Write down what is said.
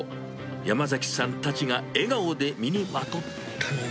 山崎さんたちが笑顔で身にまとったのは。